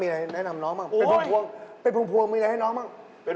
มีอะไรแนะนำน้องบ้างเป็นพวงมีอะไรให้น้องบ้างโอ้โฮ